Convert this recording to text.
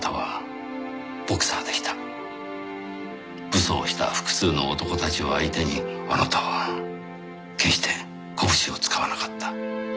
武装した複数の男たちを相手にあなたは決して拳を使わなかった。